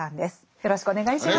よろしくお願いします。